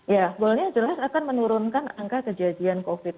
ya goalnya jelas akan menurunkan angka kejadian covid